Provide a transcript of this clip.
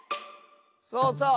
そうそう。